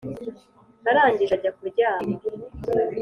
arangije ajya kuryama